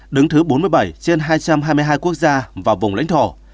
đứng thứ bốn mươi bảy trên hai trăm hai mươi hai quốc gia và vùng lãnh thổ